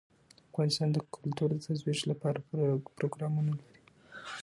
افغانستان د کلتور د ترویج لپاره پروګرامونه لري.